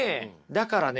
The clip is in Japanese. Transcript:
だからね